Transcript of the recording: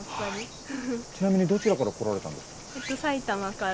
ちなみにどちらから来られたんですか？